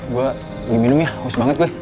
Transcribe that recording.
gue minum ya aus banget gue